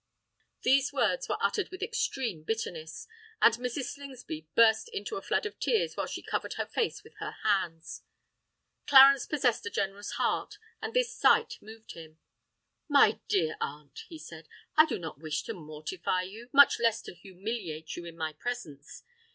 These words were uttered with extreme bitterness—and Mrs. Slingsby burst into a flood of tears, while she covered her face with her hands. Clarence possessed a generous heart; and this sight moved him. "My dear aunt," he said, "I do not wish to mortify you—much less to humiliate you in my presence.